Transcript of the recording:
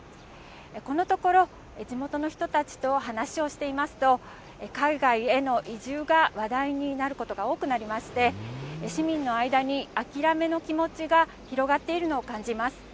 このところ、地元の人たちと話をしていますと、海外への移住が話題になることが多くなりまして、市民の間に諦めの気持ちが広がっているのを感じます。